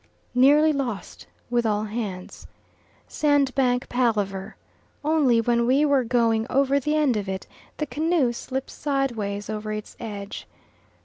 Nearly lost with all hands. Sandbank palaver only when we were going over the end of it, the canoe slips sideways over its edge.